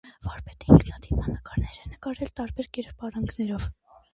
Վարպետը ինքնադիմանկարներ է նկարել տարբեր կերպարանքներով (նկարիչ, ասպետ և այլն)։